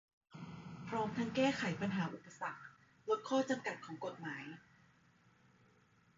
พร้อมทั้งแก้ไขปัญหาอุปสรรค ลดข้อจำกัดของกฎหมาย